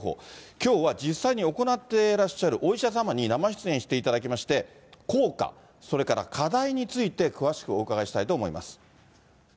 きょうは実際に行ってらっしゃるお医者様に生出演していただきまして、効果、それから課題について、詳しくお伺いしたいと思います。